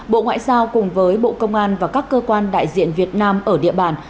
bộ ngoại giao cùng với bộ công an và các cơ quan đại diện việt nam ở địa bàn